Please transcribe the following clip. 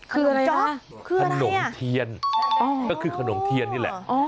คืออะไรจ๊ะคือขนมเทียนก็คือขนมเทียนนี่แหละ